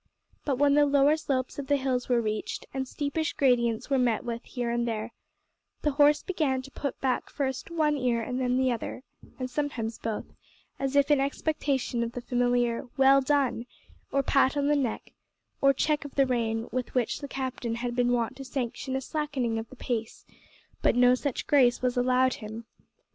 But when the lower slopes of the hills were reached, and steepish gradients were met with here and there, the horse began to put back first one ear and then the other, and sometimes both, as if in expectation of the familiar "well done," or pat on the neck, or check of the rein with which the captain had been wont to sanction a slackening of the pace, but no such grace was allowed him.